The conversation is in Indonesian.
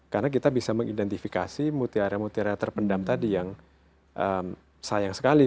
karena kita bisa mengidentifikasi mutiara mutiara terpendam tadi yang sayang sekali